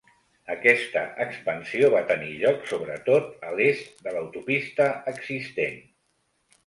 Aquesta expansió va tenir lloc sobretot a l'est de l'autopista existent.